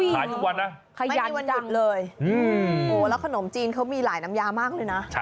ขายทุกวันนะขยันวันหยุดเลยแล้วขนมจีนเขามีหลายน้ำยามากเลยนะ